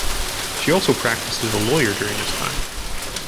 She also practiced as a lawyer during this time.